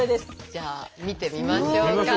じゃあ見てみましょうか。